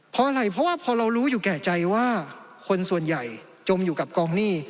เพราะอะไรเพราะว่าพอเรารู้อยู่แก่ใจว่าคนส่วนใหญ่จมอยู่กับกองหนี้